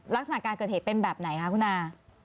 ลักษณะการเกิดเหตุเป็นแบบไหนคะคุณอา